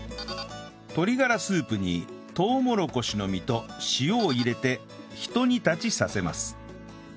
鶏がらスープにとうもろこしの実と塩を入れてひと煮立ちさせます